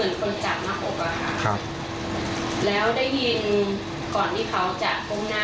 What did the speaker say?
ตอนรู้สึกตัวนี่ได้รู้สึกเหมือนคนจากมาของเป็นไข่